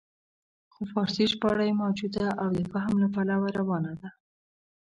خو فارسي ژباړه یې موجوده او د فهم له پلوه روانه ده.